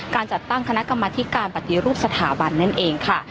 การจัดตั้งคณะกรรมธิการปฏิรูปสถาบันนั่นเองค่ะ